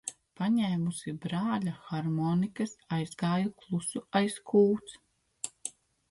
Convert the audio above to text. Paņēmusi brāļa harmonikas, aizgāju klusu aiz kūts.